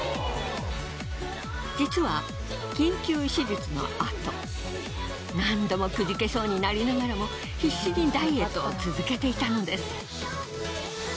実は緊急手術のあと何度もくじけそうになりながらも必死にダイエットを続けていたのです。